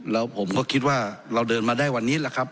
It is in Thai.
แล้วผมก็คิดว่าเราเดินมาได้วันนี้แหละครับ